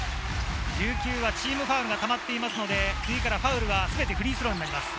琉球はチームファウルがたまっていますので、次からファウルはすべてフリースローになります。